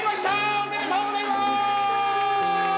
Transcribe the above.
おめでとうございます！